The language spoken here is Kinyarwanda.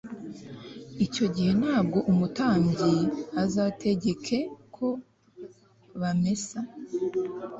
icyo gihe nabwo umutambyi azategeke ko bamesa